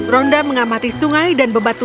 rhonda mengamati sungai dan mencari sesuatu